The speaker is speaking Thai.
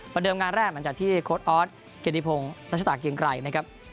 เดิมงานแรกหลังจากที่โค้ดออสเกียรติพงศ์รัชตาเกียงไกรนะครับ